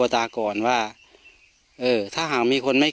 แต่ก็อุปราณมากที่อุปราณ